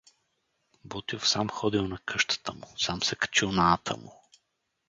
Ботйов сам ходил на къщата му, сам се качил на ата му.